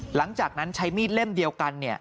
หลังจากนั้นใช้มีดเล่มเดียวกัน